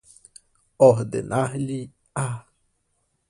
ordenar-lhe-á